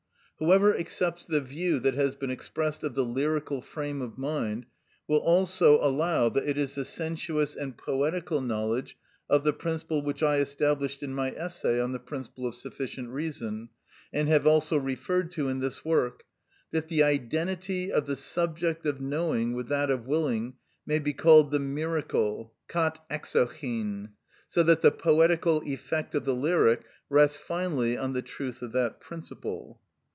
Whoever accepts the view that has been expressed of the lyrical frame of mind, will also allow, that it is the sensuous and poetical knowledge of the principle which I established in my essay on the Principle of Sufficient Reason, and have also referred to in this work, that the identity of the subject of knowing with that of willing may be called the miracle κατ᾽ εξοχην; so that the poetical effect of the lyric rests finally on the truth of that principle.